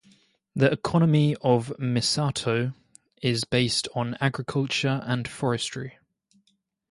The economy of Misato is based on agriculture and forestry.